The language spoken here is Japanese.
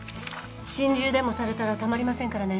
心中でもされたらたまりませんからね。